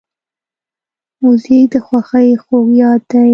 موزیک د خوښۍ خوږ یاد دی.